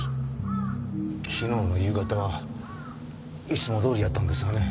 昨日の夕方はいつもどおりやったんですがね。